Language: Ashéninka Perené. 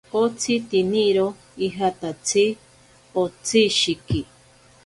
Otsitiniro ijatatsi otsishiki.